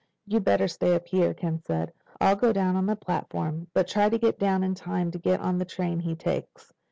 "You'd better stay up here," Ken said. "I'll go down on the platform. But try to get down in time to get on the train he takes."